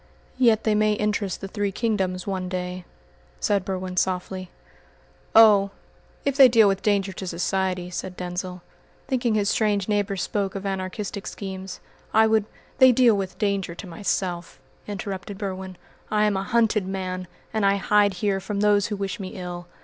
"Yet they may interest the three kingdoms one day," said Berwin softly. "Oh, if they deal with danger to society," said Denzil, thinking his strange neighbour spoke of anarchistic schemes, "I would " "They deal with danger to myself," interrupted Berwin. "I am a hunted man, and I hide here from those who wish me ill.